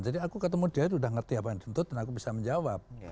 jadi aku ketemu dia itu udah ngerti apa yang dituntut dan aku bisa menjawab